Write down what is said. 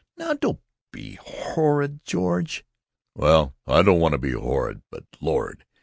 "Now don't be horrid, George." "Well, I don't want to be horrid, but Lord!